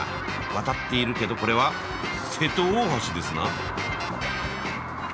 渡っているけどこれは瀬戸大橋ですな。